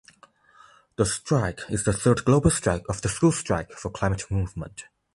The strike is the third global strike of the school strike for climate movement.